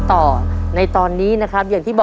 ครอบครัวของแม่ปุ้ยจังหวัดสะแก้วนะครับ